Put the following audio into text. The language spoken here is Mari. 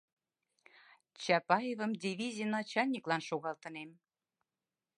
Чапаевым дивизий начальниклан шогалтынем.